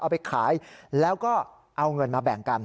เอาไปขายแล้วก็เอาเงินมาแบ่งกัน